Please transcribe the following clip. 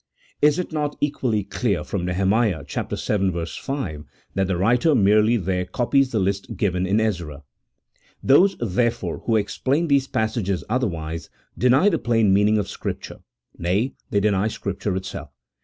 Is it not equally clear from Nehemiah vii. 5, that the writer merely there copies the list given in Ezra ? Those, therefore, who explain these pas sages otherwise, deny the plain meaning of Scripture — nay, they deny Scripture itself.